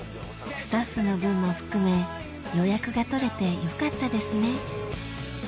スタッフの分も含め予約が取れてよかったですね